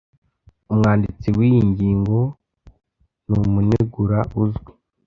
Umwanditsi wiyi ngingo numunegura uzwi.